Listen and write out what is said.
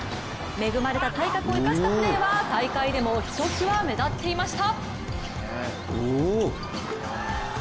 恵まれた体格を生かしたプレーは、大会でもひときわ目立っていました。